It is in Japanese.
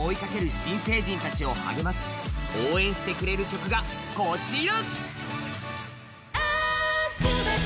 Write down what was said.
新成人たちを励まし応援してくれる曲が、こちら。